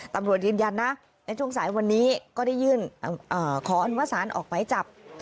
ตำรวจยืนยันนะในช่วงสายวันนี้ก็ได้ยื่นขออนุมสารออกหมายจับ